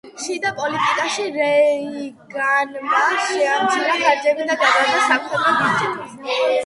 შიდა პოლიტიკაში, რეიგანმა შეამცირა ხარჯები და გაზარდა სამხედრო ბიუჯეტი.